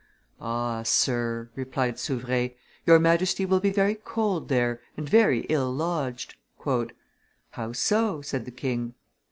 "Ah, sir," replied Souvre, "your Majesty will be very cold there, and very ill lodged." " How so?" said the king.